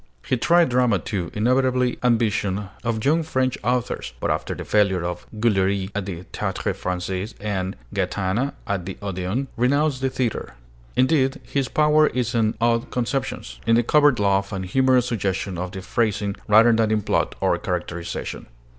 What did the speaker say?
He tried drama, too, inevitable ambition of young French authors; but after the failure of 'Guillery' at the Théâtre Française and 'Gaétena' at the Odéon, renounced the theatre. Indeed, his power is in odd conceptions, in the covert laugh and humorous suggestion of the phrasing, rather than in plot or characterization.